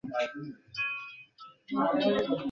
এখন আমার কাছেও করুন।